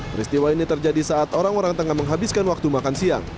peristiwa ini terjadi saat orang orang tengah menghabiskan waktu makan siang